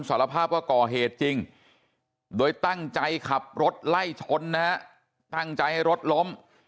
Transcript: สารภาพว่าก่อเหตุจริงโดยตั้งใจขับรถไล่ชนนะฮะตั้งใจให้รถล้ม